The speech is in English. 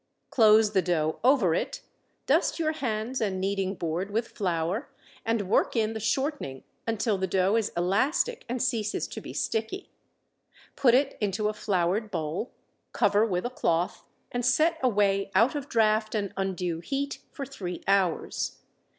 Close the dough over it, dust your hands and kneading board with flour and work in the shortening until the dough is elastic and ceases to be sticky. Put it into a floured bowl, cover with a cloth and set away out of draught and undue heat, for three hours.